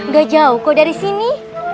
gak jauh kok dari sini